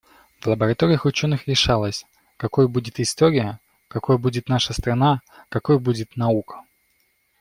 В лабораториях ученых решалось, какой будет история, какой будет наша страна, какой будет наука.